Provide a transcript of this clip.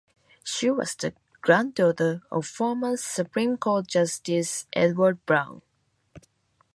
She was the granddaughter of former Supreme Court Justice Edward Browne.